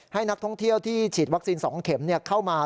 ให้นักท่องเที่ยวที่ฉีดวัคซีน๒เข็มเข้ามา